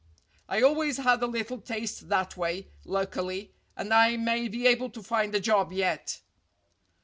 I always had a little taste that way, luckily, and I may be able to find a job yet."